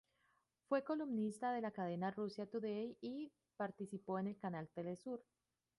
Fue columnista de la cadena Russia Today y participó en el canal TeleSur.